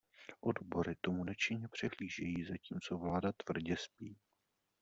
Odbory tomu nečinně přihlížejí, zatímco vláda tvrdě spí.